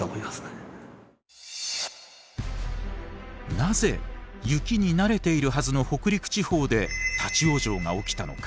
なぜ雪に慣れているはずの北陸地方で立往生が起きたのか。